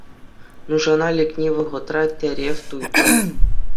Нушана лекни вӑхӑтра тӗрев туйтӑр